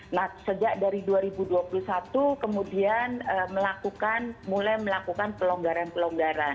nah sejak dari dua ribu dua puluh satu kemudian melakukan mulai melakukan pelonggaran pelonggaran